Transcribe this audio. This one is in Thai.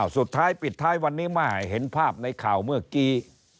สุดท้ายปิดท้ายวันนี้เมื่อเห็นภาพในข่าวเมื่อกี้